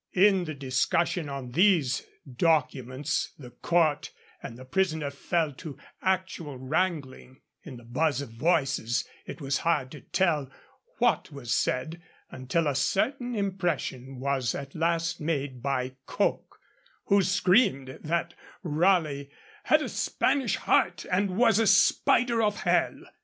In the discussion on these documents the court and the prisoner fell to actual wrangling; in the buzz of voices it was hard to tell what was said, until a certain impression was at last made by Coke, who screamed out that Raleigh 'had a Spanish heart and was a spider of hell.'